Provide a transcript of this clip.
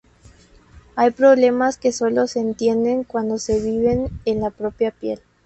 Hay problemas que solo se entienden cuando se viven en la propia piel.